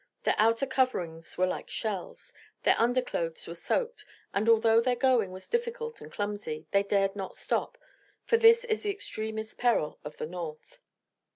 Their outer coverings were like shells, their underclothes were soaked, and although their going was difficult and clumsy, they dared not stop, for this is the extremest peril of the North.